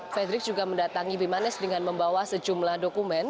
frederick juga mendatangi bimanes dengan membawa sejumlah dokumen